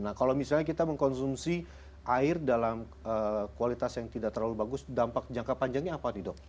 nah kalau misalnya kita mengkonsumsi air dalam kualitas yang tidak terlalu bagus dampak jangka panjangnya apa nih dok